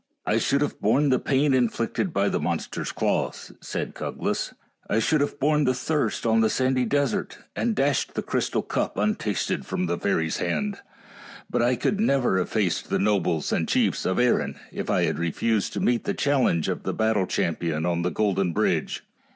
" I should have borne the pain inflicted by the monster's claw," said Cuglas. " I should have borne the thirst on the sandy desert, and dashed the crystal cup untasted from the fairy's hand; THE ENCHANTED CAVE 71 but I could never have faced the nobles and chiefs of Erin if I had refused to meet the chal lenge of the battle champion on the golden bridge."